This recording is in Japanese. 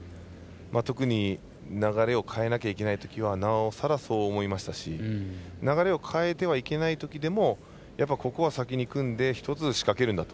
特に流れを変えなきゃいけないときはなおさらそう思いましたし流れを変えてはいけないときもここは、先に組んで１つ仕掛けるんだ。